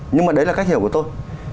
nhưng mà đấy là cách hiểu của tôi